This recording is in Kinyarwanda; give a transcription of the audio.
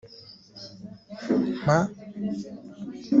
mpa